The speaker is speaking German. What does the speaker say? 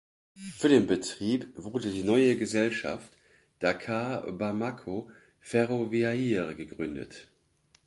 Für den Betrieb wurde die neue Gesellschaft "Dakar Bamako Ferroviaire" gegründet.